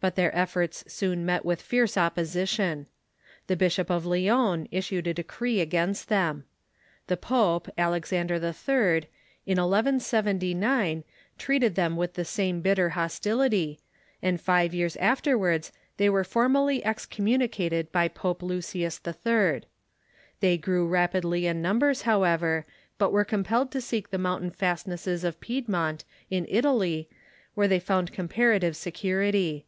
But their efforts soon met with fierce opposition. The Archbishop of Lyons issued a decree against them. The pope, Alexander IIL, in 11 79, treated them "with the same bitter hostility, and five years af terwards they were formally excommunicated by Pope Lucius IIL They grew rapidly in numbers, however, but were com pelled to seek the mountain fastnesses of Piedmont, in Italy, where they found comparative security.